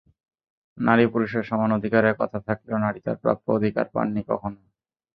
নারী-পুরুষের সমান অধিকারের কথা থাকলেও নারী তাঁর প্রাপ্য অধিকার পাননি কখনো।